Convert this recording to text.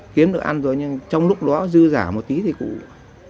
kiếm được ăn rồi nhưng trong lúc đó dư giả một tí thì cụ